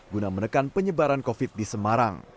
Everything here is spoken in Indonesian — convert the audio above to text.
guna menekan penyebaran covid sembilan belas di semarang